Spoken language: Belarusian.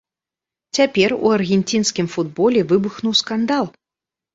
Цяпер у аргенцінскім футболе выбухнуў скандал.